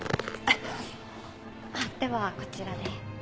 ではこちらで。